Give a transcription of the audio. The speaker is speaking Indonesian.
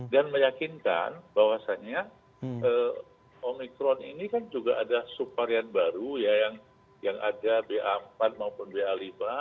dan meyakinkan bahwasannya omicron ini kan juga ada subvarian baru ya yang ada ba empat maupun ba lima